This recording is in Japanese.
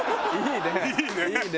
いいね！